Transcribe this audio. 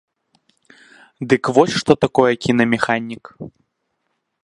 Дык вось, што такое кінамеханік.